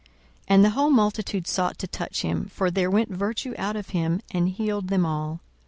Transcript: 42:006:019 And the whole multitude sought to touch him: for there went virtue out of him, and healed them all.